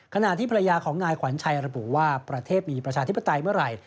ขณะที่ภรรยาของนายขวัญชัยระบุว่าประเทศมีประชาธิปไตยเมื่อไหร่